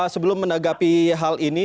sebelum menanggapi hal ini